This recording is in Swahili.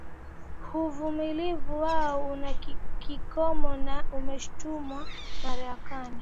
uvumilivu wao una kikomo na imeshutumu marekani